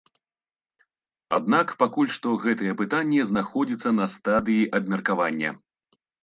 Аднак пакуль што гэтае пытанне знаходзіцца на стадыі абмеркавання.